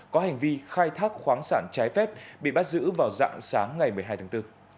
có hành vi khai thác khoáng sản trái phép bị bắt giữ vào dạng sáng ngày một mươi hai tháng bốn